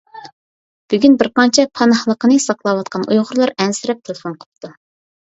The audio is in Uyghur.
بۈگۈن بىر قانچە پاناھلىقىنى ساقلاۋاتقان ئۇيغۇرلار ئەنسىرەپ تېلېفون قىپتۇ.